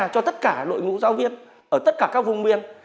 cho tất cả nội ngũ giáo viên ở tất cả các vùng nguyên